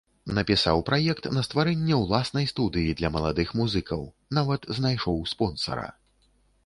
Напісаў праект на стварэнне ўласнай студыі для маладых музыкаў, нават знайшоў спонсара.